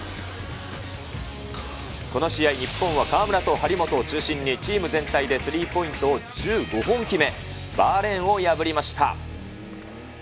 この試合、日本は河村と張本を中心にチーム全体でスリーポイントを１５本決め、バーレーンを破りました。